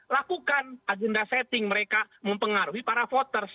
lakukan agenda setting mereka mempengaruhi para voters